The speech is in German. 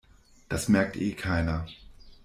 Das merkt eh keiner.